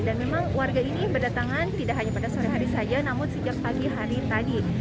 dan memang warga ini berdatangan tidak hanya pada sore hari saja namun sejak pagi hari tadi